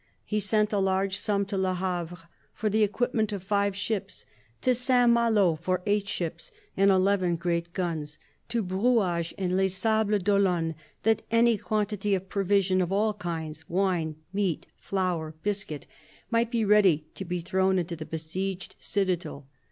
He sent a large sum to Le Havre, for the equipment of five ships ; to Saint Malo, for eight ships and eleven great guns ; to Brouage and Les Sables d'Olonne, that any quantity of provisions of all kinds, wine, meat, flour, biscuit, might be ready to be thrown into the besieged citadel.